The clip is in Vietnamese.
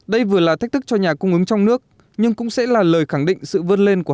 đây vừa là thách thức cho nhà cung ứng trong nước nhưng cũng sẽ là lời khẳng định sự vớt lên của